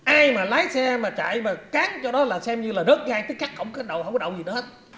ai mà lái xe mà chạy mà cán cho đó là xem như là rớt ngang tới cắt không có đậu gì nữa hết